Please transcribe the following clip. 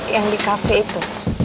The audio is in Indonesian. yang di cafe itu